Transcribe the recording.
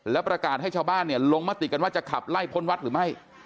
แล้วประกาศให้ชาวบ้านลงมติกันว่าจะขับไล่พ้นวัดหรือไม่